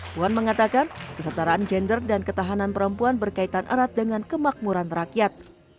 puan mengatakan kesetaraan gender dan ketahanan perempuan berkaitan erat dengan kemakmuran rakyat